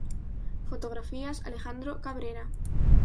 Fotografías: Alejandro Cabrera.